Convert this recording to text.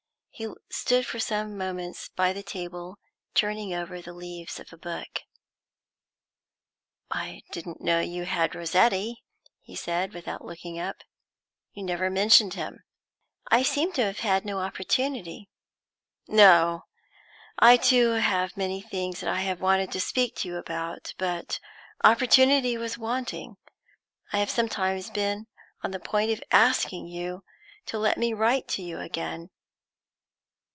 He stood for some moments by the table, turning over the leaves of a book. "I didn't know you had Rossetti," he said, without looking up. "You never mentioned him." "I seem to have had no opportunity." "No. I too have many things that I have wanted to speak to you about, but opportunity was wanting. I have sometimes been on the point of asking you to let me write to you again."